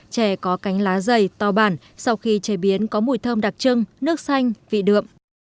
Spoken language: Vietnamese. chè có cánh lá dày to bản sau khi chế biến có mùi thơm đặc trưng nước xanh vị đượm